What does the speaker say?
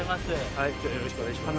はい今日はよろしくお願いします。